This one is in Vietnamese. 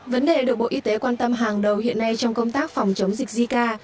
vấn đề được bộ y tế quan tâm hàng đầu hiện nay trong công tác phòng chống dịch zika